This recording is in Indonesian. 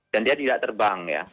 dan dia tidak terbang ya